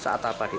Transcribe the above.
saat apa dik